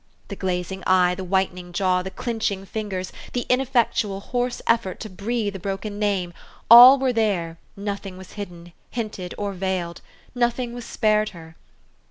The glazing eye, the whitening jaw, the clinching fingers, the ineffectual, hoarse effort to breathe a broken name, all were there : nothing was hidden, hinted, or veiled ; noth ing was spared her.